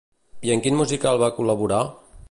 I en quin musical va col·laborar?